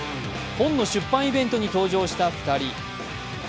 本の出版イベントに登場した２人。